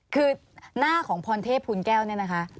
คือหน้าของพรเทพภูลแก้วเนี่ยนะคะ